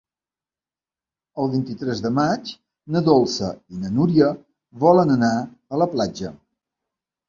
El vint-i-tres de maig na Dolça i na Núria volen anar a la platja.